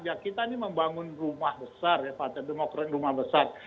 ya kita ini membangun rumah besar ya partai demokrat rumah besar